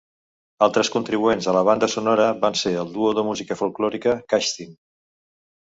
Altres contribuents a la banda sonora van ser el duo de música folklòrica Kashtin.